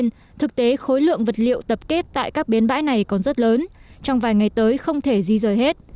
nhưng thực tế khối lượng vật liệu tập kết tại các bến bãi này còn rất lớn trong vài ngày tới không thể di rời hết